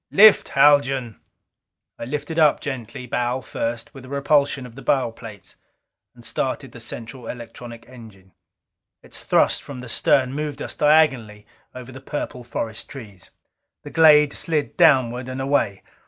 "Lift, Haljan!" I lifted up gently, bow first, with a repulsion of the bow plates. And started the central electronic engine. Its thrust from the stern moved us diagonally over the purple forest trees. The glade slid downward and away.